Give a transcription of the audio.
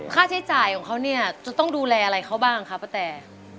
ค่าใช้จ่ายของเขาเนี่ยจะต้องดูแลอะไรเขาบ้างครับป้าแต